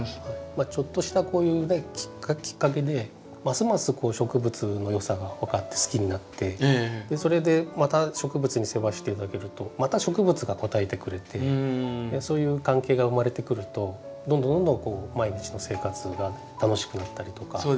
ちょっとしたこういうねきっかけでますます植物の良さが分かって好きになってそれでまた植物の世話をして頂けるとまた植物が応えてくれてそういう関係が生まれてくるとどんどんどんどん毎日の生活が楽しくなったりとか。